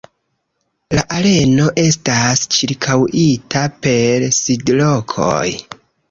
La areno estas ĉirkaŭita per sidlokoj.